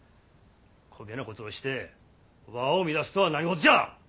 こげなこつをして和を乱すとは何事じゃ。